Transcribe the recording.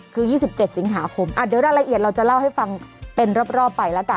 คือ๒๗สิงหาคมเดี๋ยวรายละเอียดเราจะเล่าให้ฟังเป็นรอบไปแล้วกัน